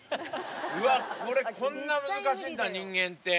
うわ、これ、こんな難しいんだ、人間って。